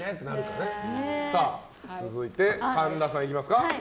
続いて、神田さんいきますか。